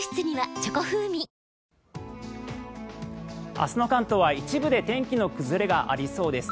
明日の関東は、一部で天気の崩れがありそうです。